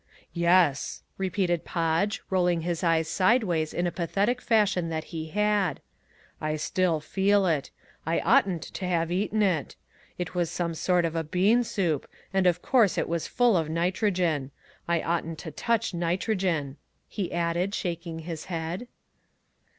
"Yes," repeated Podge, rolling his eyes sideways in a pathetic fashion that he had, "I still feel it. I oughtn't to have eaten it. It was some sort of a bean soup, and of course it was full of nitrogen. I oughtn't to touch nitrogen," he added, shaking his head.